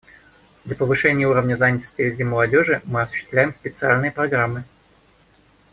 Для повышения уровня занятости среди молодежи мы осуществляем специальные программы.